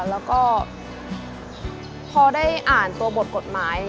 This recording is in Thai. แล้วก็พอได้อ่านตัวบทกฎหมาย